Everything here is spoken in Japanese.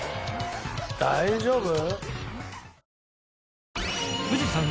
大丈夫？